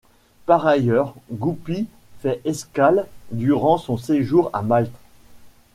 Par ailleurs, Goupy fait escale durant son séjour à Malte.